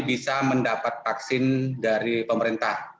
bisa mendapat vaksin dari pemerintah